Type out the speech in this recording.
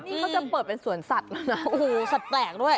นี่มันจะเปิดเป็นส่วนสัตว์สัตว์แปลกด้วย